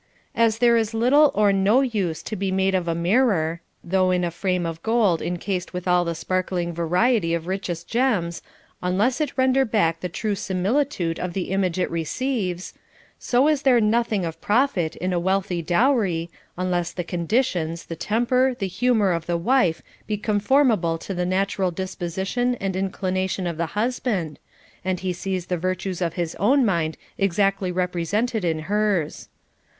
As there is little or no use to be made of a mirror, though in a frame of gold enchased with all the sparkling variety of the richest gems, unless it render back the true similitude of the image it receives ; so is there nothing of profit in a wealthy dowry, unless the conditions, the tem per, the humor of the wife be conformable to the natural disposition and inclination of the husband, and he sees the virtues of his own mind exactly represented in hers.